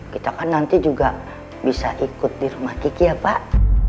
kita kan nanti juga bisa ikut di rumah kiki ya pak